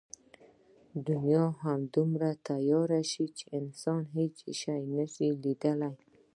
دنیا دومره تیاره شوه چې انسان هېڅ شی نه لیدل.